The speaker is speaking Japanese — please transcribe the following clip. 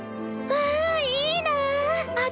わあいいなあ！